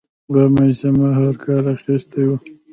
یوه مجسمه هارکر اخیستې وه.